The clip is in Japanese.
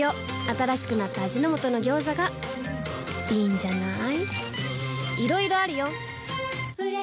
新しくなった味の素の「ギョーザ」がいいんじゃない？